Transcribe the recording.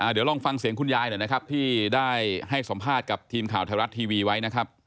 เดี๋ยวลองฟังเสียงคุณยายหน่อยนะครับที่ได้ให้สัมภาษณ์กับทีมข่าวไทยรัฐทีวีไว้นะครับ